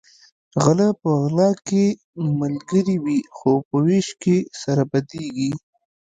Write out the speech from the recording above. غلۀ په غلا کې ملګري وي خو په وېش کې سره بدیږي